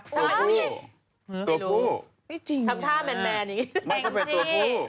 ตัวผู้ไม่รู้ทำท่าแมนอยู่นี่